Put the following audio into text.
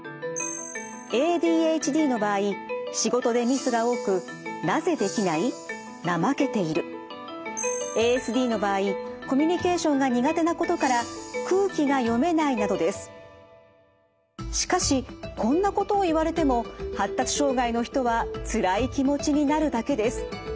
ＡＤＨＤの場合仕事でミスが多くＡＳＤの場合コミュニケーションが苦手なことからしかしこんなことを言われても発達障害の人はつらい気持ちになるだけです。